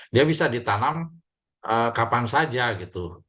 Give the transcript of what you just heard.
dia bisa ditanam kapan saja gitu